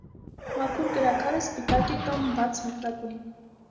Մաքուր կրաքարը սպիտակ է կամ բաց մոխրագույն։